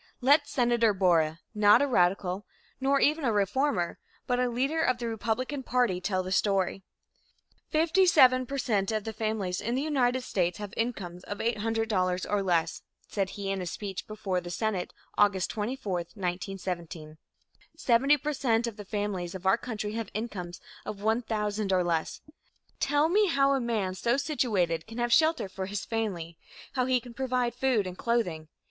Let Senator Borah, not a radical nor even a reformer, but a leader of the Republican party, tell the story. "Fifty seven per cent of the families in the United States have incomes of $800 or less," said he in a speech before the Senate, August 24, 1917, "Seventy per cent of the families of our country have incomes of $1,000 or less. Tell me how a man so situated can have shelter for his family; how he can provide food and clothing.